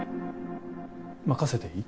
任せていい？